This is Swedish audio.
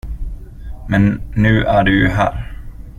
Men nu är du ju här.